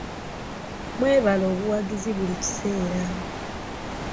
Mwebale obuwagizi buli kiseera.